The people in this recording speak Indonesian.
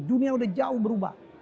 dunia udah jauh berubah